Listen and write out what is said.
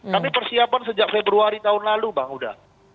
kami persiapan sejak februari tahun lalu bang huda